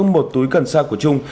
một túi cần xa của trung